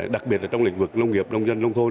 đặc biệt là trong lĩnh vực nông nghiệp nông dân nông thôn